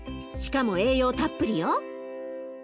しかも栄養たっぷりよ。